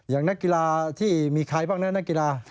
อย่างนักกีฬาที่มีใครบ้างเนี่ยนักกีฬา